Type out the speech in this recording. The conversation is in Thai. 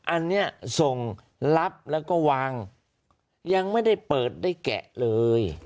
อันนี้ส่งรับแล้วก็วางยังไม่ได้เปิดได้แกะเลย